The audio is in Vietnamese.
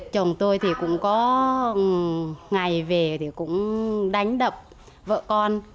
chồng tôi thì cũng có ngày về thì cũng đánh đập vợ con